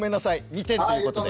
２点ということで。